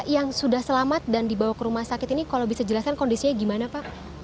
yang sudah selamat dan dibawa ke rumah sakit ini kalau bisa dijelaskan kondisinya gimana pak